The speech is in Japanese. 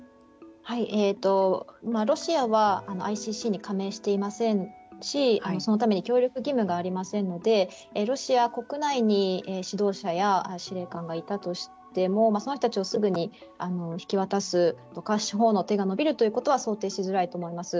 ロシアはＩＣＣに加盟していませんしそのために協力義務がありませんのでロシア国内に指導者や司令官がいたとしてもその人たちをすぐに引き渡すとか司法の手がのびるということは想定しづらいと思います。